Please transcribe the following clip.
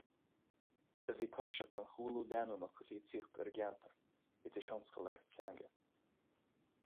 A bhí tuirseach den chúlú leanúnach a bhí ag teacht ar a gceantar, idir thionscal agus teanga.